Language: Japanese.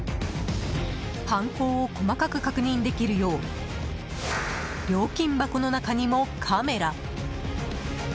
犯行を細かく確認できるよう料金箱の中にも、カメラ。